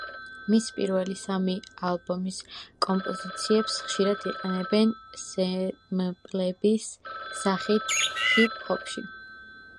მისი პირველი სამი ალბომის კომპოზიციებს ხშირად იყენებენ სემპლების სახით ჰიპ-ჰოპში.